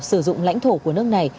sử dụng lãnh thổ của nước này